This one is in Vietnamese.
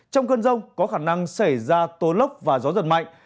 trong cơn rông có khả năng xảy ra tố lốc và gió giật mạnh